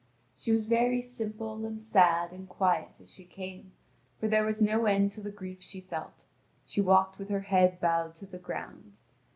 She was very simple and sad and quiet as she came, for there was no end to the grief she felt: she walked with her head bowed to the ground.